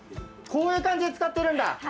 こういう感じで使ってるんだ。